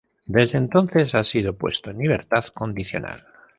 Desde entonces ha sido puesto en libertad condicional.